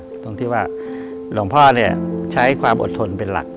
ตรงที่ว่าหลวงพ่อเนี่ยใช้ความอดทนเป็นหลัก